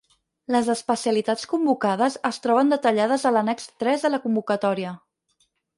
Les especialitats convocades es troben detallades a l'annex tres de la convocatòria.